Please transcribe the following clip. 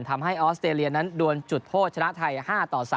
ออสเตรเลียนั้นดวนจุดโทษชนะไทย๕ต่อ๓